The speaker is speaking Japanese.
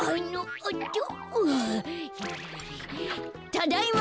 ただいま。